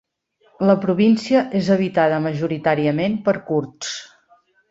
La província és habitada majoritàriament per kurds.